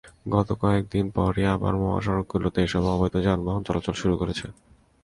কিন্তু কয়েক দিন পরই আবারও মহাসড়কগুলোতে এসব অবৈধ যানবাহন চলাচল শুরু করেছে।